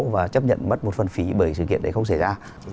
và chấp nhận mất một phần phí bởi sự kiện đấy không xảy ra